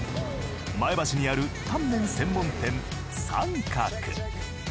前橋にあるタンメン専門店燦鶴。